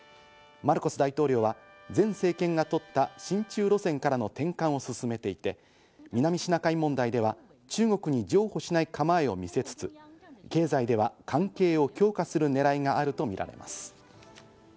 マルコス大統領は前政権がとった親中路線からの転換を進めていて、南シナ海問題では中国に譲歩しない構えを見せつつ経済では関係を強化するねらいがあるとみられます。